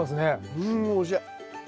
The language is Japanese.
うんおいしい！